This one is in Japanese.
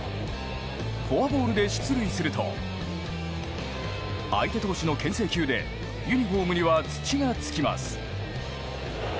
フォアボールで出塁すると相手投手の牽制球でユニホームには土がつきます。